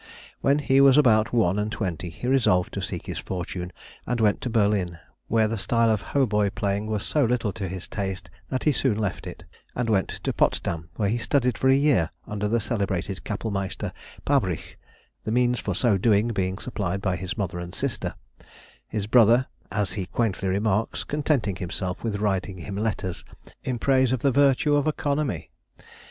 When he was about one and twenty he resolved to seek his fortune, and went to Berlin, where the style of hautboy playing was so little to his taste that he soon left it, and went to Potsdam, where he studied for a year under the celebrated Cappell Meister Pabrïch, the means for so doing being supplied by his mother and sister; his brother, as he quaintly remarks, contenting himself with writing him letters in praise of the virtue of economy!